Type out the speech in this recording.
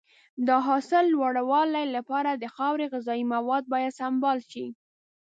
د حاصل د لوړوالي لپاره د خاورې غذایي مواد باید سمبال شي.